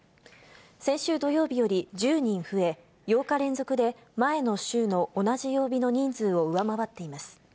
先週土曜日より１０人増え、８日連続で前の週の同じ曜日の人数を上回っています。